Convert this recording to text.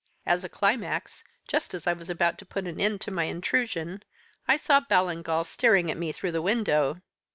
As a climax, just as I was about to put an end to my intrusion, I saw Ballingall staring at me through the window.